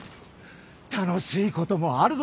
楽しいこともあるぞ。